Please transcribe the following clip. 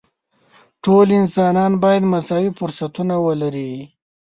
ټول انسانان باید مساوي فرصتونه ولري.